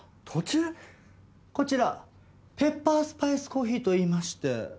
こちらペッパースパイスコーヒーといいまして。